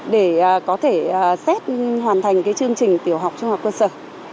để có thể xét hoàn thành chương trình tiểu học trung học cơ sở